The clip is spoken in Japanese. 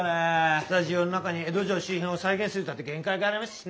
スタジオの中に江戸城周辺を再現するったって限界がありますしね。